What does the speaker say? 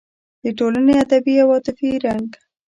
د ټولنې ادبي او عاطفي رنګ